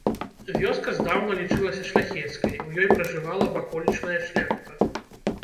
Вёска здаўна лічылася шляхецкай, у ёй пражывала ваколічная шляхта.